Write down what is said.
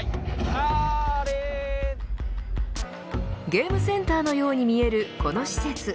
ゲームセンターのように見えるこの施設。